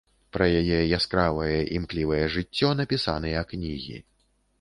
Пра яе яскравае імклівае жыццё напісаныя кнігі.